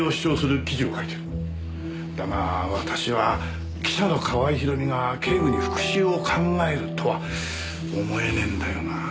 だが私は記者の川合ひろみが警部に復讐を考えるとは思えねえんだよなあ。